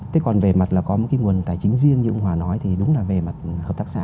thế còn về mặt là có một cái nguồn tài chính riêng như ông hòa nói thì đúng là về mặt hợp tác xã